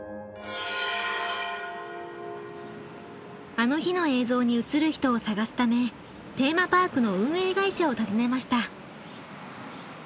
「あの日」の映像に映る人を探すためテーマパークの運営会社を訪ねました。